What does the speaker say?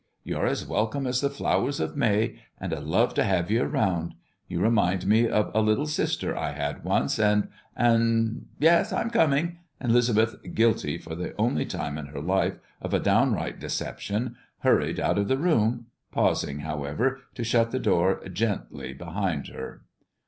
You're as welcome as the flowers of May, and I love to have ye round. You remind me of a little sister I had once, and and Yes, I'm comin'!" And 'Lisbeth, guilty, for the only time in her life, of a downright deception, hurried out of the room, pausing, however, to shut the door gently behind her.